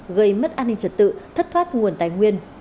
gây mất an ninh trật tự thất thoát nguồn tài nguyên